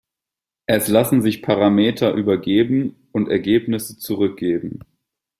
Es lassen sich Parameter übergeben und Ergebnisse zurückgeben.